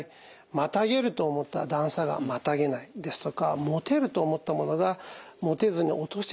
またげると思った段差がまたげないですとか持てると思ったものが持てずに落としてしまう。